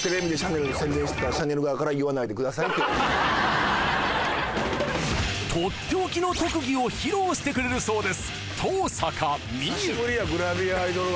そうですとっておきの特技を披露してくれるそうです